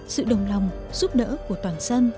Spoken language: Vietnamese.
sự đồng lòng giúp đỡ của toàn dân